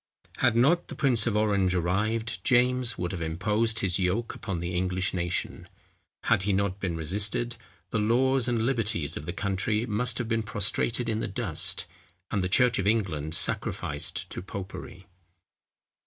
Had not the prince of Orange arrived, James would have imposed his yoke upon the English nation. Had he not been resisted, the laws and liberties of the country must have been prostrated in the dust, and the church of England sacrificed to popery.